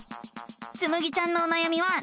つむぎちゃんのおなやみは何かな？